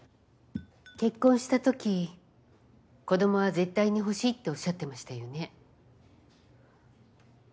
結婚したとき子供は絶対に欲しいっておっしゃってましたよね。